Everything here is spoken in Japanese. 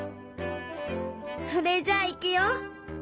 それじゃあいくよ！